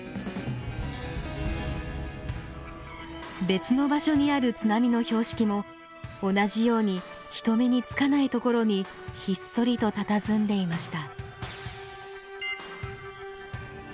別の場所にある津波の標識も同じように人目につかないところにひっそりとたたずんでいました。